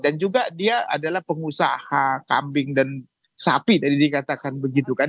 dan juga dia adalah pengusaha kambing dan sapi jadi dikatakan begitu kan